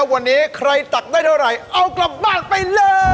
วันนี้ใครตักได้เท่าไหร่เอากลับบ้านไปเลย